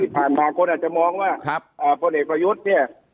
ที่ผ่านมาคนอาจจะมองว่าผู้เหตุประยุทธ์นี้